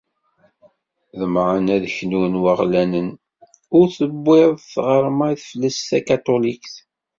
Ḍemεen ad knun waɣlanen ur tewwiḍ tɣerma i teflest takatulikt.